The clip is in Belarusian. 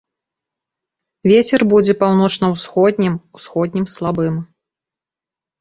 Вецер будзе паўночна-ўсходнім, усходнім слабым.